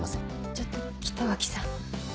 ちょっと北脇さん。